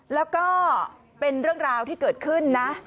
แล้วก็เป็นเรื่องราวที่เกิดขึ้นนะ